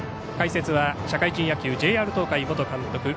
解説は社会人野球ＪＲ東海元監督